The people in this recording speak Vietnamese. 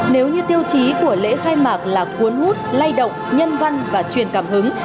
nếu như tiêu chí của lễ khai mạc là cuốn hút lay động nhân văn và truyền cảm hứng